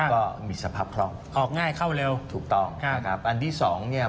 ก็มีสภาพคล่องออกง่ายเข้าเร็วถูกต้องค่ะนะครับอันที่สองเนี่ย